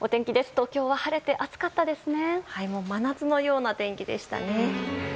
東京は晴れて暑かったですね。